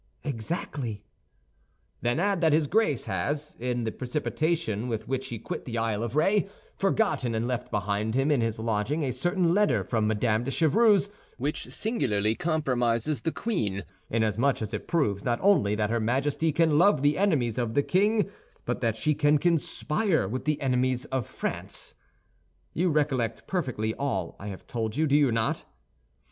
"Exactly." "Then add that his Grace has, in the precipitation with which he quit the Isle of Ré, forgotten and left behind him in his lodging a certain letter from Madame de Chevreuse which singularly compromises the queen, inasmuch as it proves not only that her Majesty can love the enemies of the king but that she can conspire with the enemies of France. You recollect perfectly all I have told you, do you not?"